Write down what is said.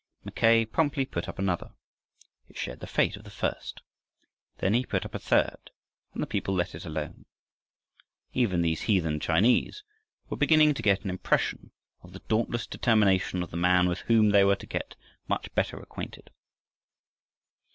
Mackay promptly put up another. It shared the fate of the first. Then he put up a third, and the people let it alone. Even these heathen Chinese were beginning to get an impression of the dauntless determination of the man with whom they were to get much better acquainted.